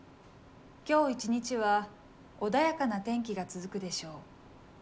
今日一日は穏やかな天気が続くでしょう。